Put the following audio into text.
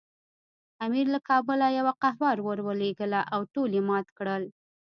امیر له کابله یوه قوه ورولېږله او ټول یې مات کړل.